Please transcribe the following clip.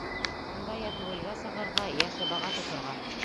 Бында йә дуэлгә сығырға, йә шыбаға тоторға.